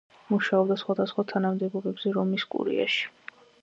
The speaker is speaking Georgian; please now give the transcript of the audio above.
მუშაობდა სხვადასხვა თანამდებობებზე რომის კურიაში.